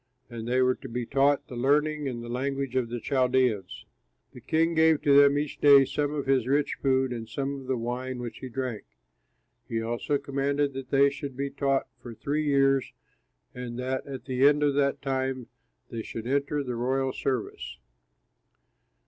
And they were to be taught the learning and the language of the Chaldeans. The king gave to them each day some of his rich food and some of the wine which he drank. He also commanded that they should be taught for three years, and that at the end of that time they should enter the royal service.